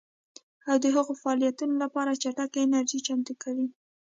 او د هغو فعالیتونو لپاره چټکه انرژي چمتو کوي